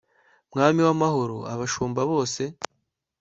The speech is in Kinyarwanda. mwami w'amahoro, abashumba bose